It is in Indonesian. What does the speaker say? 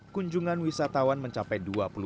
kunjungan wisatawan mencapai